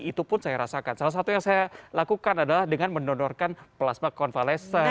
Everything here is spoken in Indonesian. itu pun saya rasakan salah satu yang saya lakukan adalah dengan mendonorkan plasma konvalesen